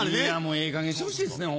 ええかげんにしてほしいですね。